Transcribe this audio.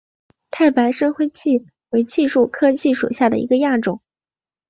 太白深灰槭为槭树科槭属下的一个亚种。